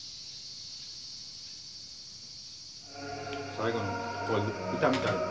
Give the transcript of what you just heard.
最後のこの歌みたいな。